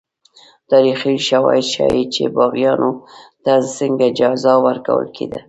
تاریخي شواهد ښيي چې باغیانو ته څنګه جزا ورکول کېده.